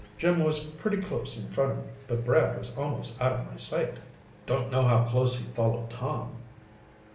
Jim was pretty close in front of me, but Brad was almost out of my sight. Don't know how close he followed Tom."